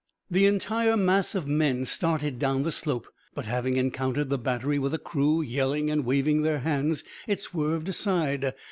The entire mass of men started down the slope, but having encountered the battery with a crew yelling and waving their hands, it swerved aside.